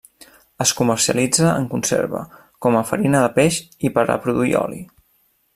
Es comercialitza en conserva, com a farina de peix i per a produir oli.